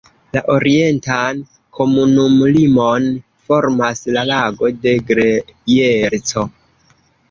La orientan komunumlimon formas la Lago de Grejerco.